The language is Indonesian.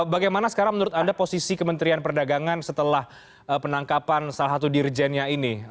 bagaimana sekarang menurut anda posisi kementerian perdagangan setelah penangkapan salah satu dirjennya ini